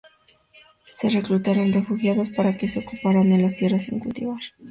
Se reclutaron refugiados para que se ocuparan de las tierras sin cultivar.